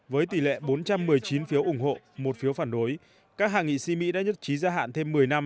với tỷ lệ bốn trăm một mươi chín phiếu ủng hộ một phiếu phản đối các hạ nghị sĩ mỹ đã nhất trí gia hạn thêm một mươi năm